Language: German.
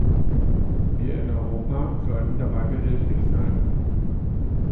Wir in Europa sollten dabei behilflich sein.